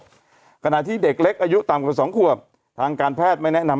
ขณะที่เด็กเล็กอายุต่ำกว่าสองขวบทางการแพทย์ไม่แนะนำ